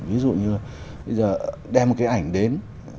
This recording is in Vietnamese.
ví dụ như bây giờ đem một cái ảnh đến